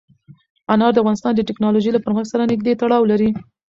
انار د افغانستان د تکنالوژۍ له پرمختګ سره نږدې تړاو لري.